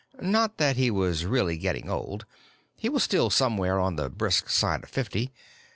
Not that he was really getting old; he was still somewhere on the brisk side of fifty.